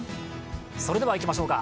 それではいきましょうか。